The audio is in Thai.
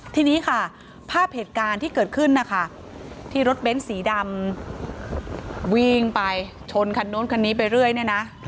ทีนี้ค่ะภาพเหตุการณ์ที่เกิดขึ้นนะคะที่รถเบ้นสีดำวิ่งไปชนคันนู้นคันนี้ไปเรื่อยเนี่ยนะ